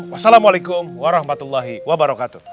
wassalamualaikum warahmatullahi wabarakatuh